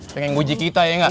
pengen nguji kita ya nggak